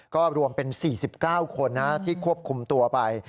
ก็รวมเป็น๔๙คนที่ควบคุมตัวไป